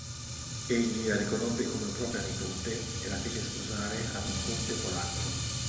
Egli la riconobbe come propria nipote e la fece sposare ad un conte polacco.